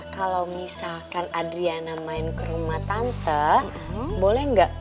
kalau misalkan adriana main ke rumah tante boleh nggak